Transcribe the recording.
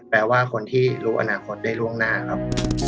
แปลว่าคนที่รู้อนาคตได้ล่วงหน้าครับ